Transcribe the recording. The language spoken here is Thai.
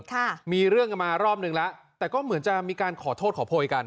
ค่ะมีเรื่องกันมารอบหนึ่งแล้วแต่ก็เหมือนจะมีการขอโทษขอโพยกัน